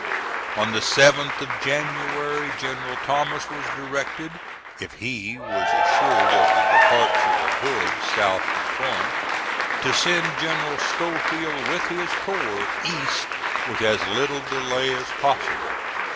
On the 7th of January, General Thomas was directed, if he was assured of the departure of Hood south from Corinth, to send General Schofield with his corps east with as little delay as possible.